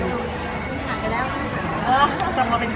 ระดับตัวนี้ก็ว่าเราบรรทีตรียด